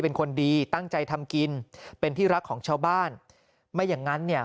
เป็นคนดีตั้งใจทำกินเป็นที่รักของชาวบ้านไม่อย่างงั้นเนี่ย